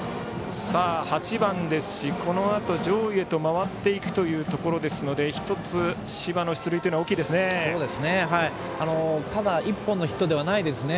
８番ですし、このあと上位へと回っていくところですので１つ、柴の出塁は大きいですね。